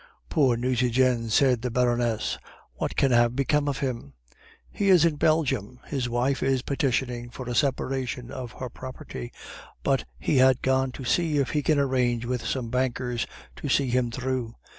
"'Poor Nucingen!' said the Baroness. 'What can have become of him?' "'He is in Belgium. His wife is petitioning for a separation of her property; but he had gone to see if he can arrange with some bankers to see him through.